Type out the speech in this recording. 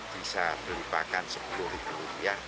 bisa beli pakan sepuluh rupiah